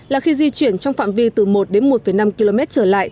là khi di chuyển trong phạm vi từ một đến một năm km trở lại